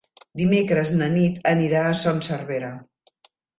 Dimecres na Nit anirà a Son Servera.